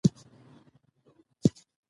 ډان براډمن د کرکټ غوره بیټسمېن وو.